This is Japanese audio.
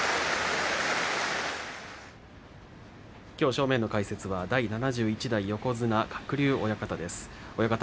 正面の解説は第７１代横綱鶴竜親方です。